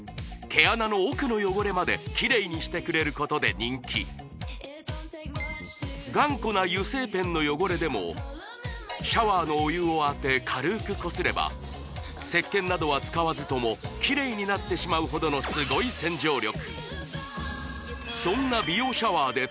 毛穴の奥の汚れまでキレイにしてくれることで人気頑固な油性ペンの汚れでもシャワーのお湯を当て軽ーくこすればせっけんなどは使わずともキレイになってしまうほどのすごい洗浄力